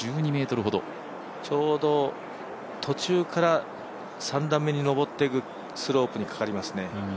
ちょうど途中から３段目に上っていくスロープにかかりますね。